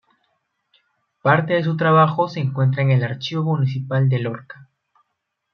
Parte de su trabajo se encuentra en el Archivo Municipal de Lorca.